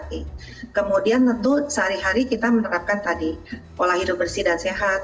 oke kemudian tentu sehari hari kita menerapkan tadi pola hidup bersih dan sehat